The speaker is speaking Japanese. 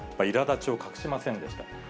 いらだちを隠しませんでした。